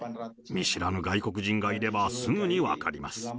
見知らぬ外国人がいればすぐに分かります。